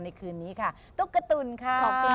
ในคืนนี้ค่ะตุ๊กตุ๋นค่ะ